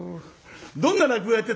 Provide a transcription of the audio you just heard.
どんな落語やってた？」。